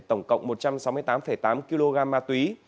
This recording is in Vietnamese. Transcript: tổng cộng một trăm sáu mươi tám tám kg ma túy